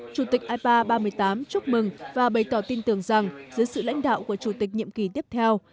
chủ tịch ipa ba mươi tám chúc mừng và bày tỏ tin tưởng rằng dưới sự lãnh đạo của chủ tịch nhiệm kỳ tiếp theo